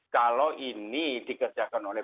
kalau ini dikerjakan oleh